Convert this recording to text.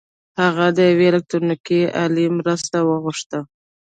هغه د یوې الکټرونیکي الې مرسته وغوښته